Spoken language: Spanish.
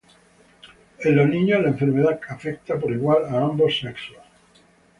En los niños, la enfermedad afecta por igual a ambos sexos.